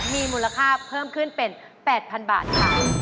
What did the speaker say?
มีมูลค่าเพิ่มขึ้นเป็น๘๐๐๐บาทค่ะ